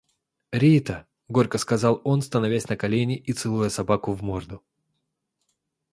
– Рита! – горько сказал он, становясь на колено и целуя собаку в морду.